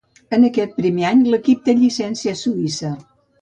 En aquest primer any l'equip té llicència suïssa.